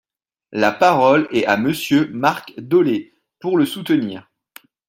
La parole est Monsieur Marc Dolez, pour le soutenir.